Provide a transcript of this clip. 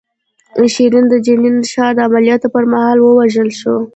شیرین د جنین ښار د عملیاتو پر مهال ووژل شوه.